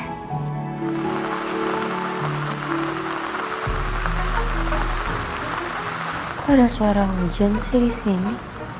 kok ada suara hujan sih disini